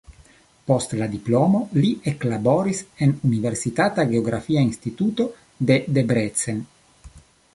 Post la diplomo li eklaboris en universitata geografia instituto de Debrecen.